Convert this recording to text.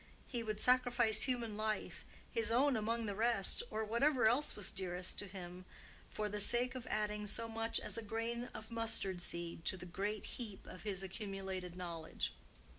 He would sacrifice human life, his own among the rest, or whatever else was dearest to him, for the sake of adding so much as a grain of mustard seed to the great heap of his accumulated knowledge."